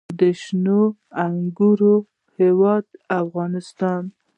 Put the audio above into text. د شنو انګورو هیواد افغانستان.